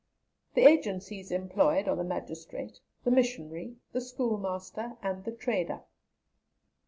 The agencies employed are the magistrate, the missionary, the school master, and the trader."